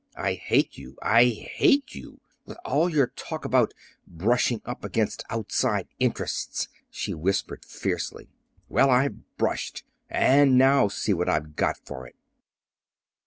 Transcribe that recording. "I hate you, I hate you with all your old talk about 'brushing up against outside interests'!" she whispered fiercely. "Well, I've 'brushed' and now see what I've got for it!"